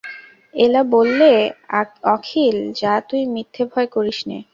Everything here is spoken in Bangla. এলা বললে, অখিল, যা তুই মিথ্যে ভয় করিস নে।